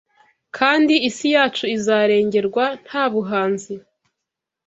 kandi isi yacu izarengerwa Nta buhanzi